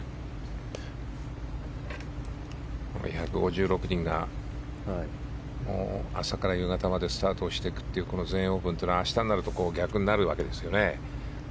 １５６人が朝から夕方までスタートしていくっていう全英オープンというのは明日になると逆になるわけでですよね。